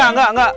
eh enggak enggak